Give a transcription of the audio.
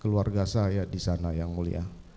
keluarga saya disana yang mulia